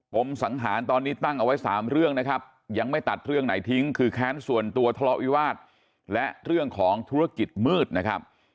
มสังหารตอนนี้ตั้งเอาไว้๓เรื่องนะครับยังไม่ตัดเรื่องไหนทิ้งคือแค้นส่วนตัวทะเลาะวิวาสและเรื่องของธุรกิจมืดนะครับ